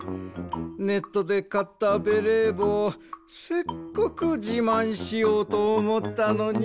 ネットでかったベレーぼうせっかくじまんしようとおもったのに。